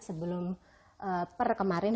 sebelum per kemarin